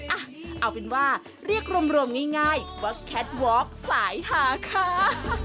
อ่ะเอาเป็นว่าเรียกรวมง่ายว่าแคทวอล์กสายหาค่ะ